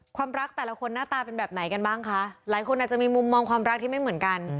ความรักแต่ละคนหน้าตาเป็นแบบไหนกันบ้างคะหลายคนอาจจะมีมุมมองความรักที่ไม่เหมือนกัน